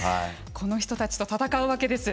この人たちと戦うわけです。